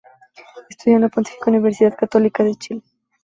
Estudió en la Pontificia Universidad Católica de Chile.